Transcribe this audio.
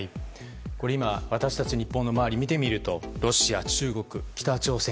今、私たち日本の周りを見てみるとロシア、中国、北朝鮮。